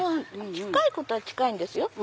近いことは近いんですよ。